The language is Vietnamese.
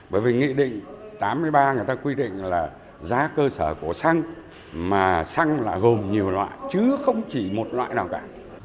bởi vì nghị định tám mươi ba người ta quy định là giá cơ sở của xăng mà xăng lại gồm nhiều loại chứ không chỉ một loại nào cả